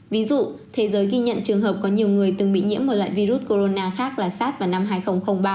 ví dụ thế giới ghi nhận trường hợp có nhiều người từng bị nhiễm một loại virus corona khác là sars vào năm hai nghìn ba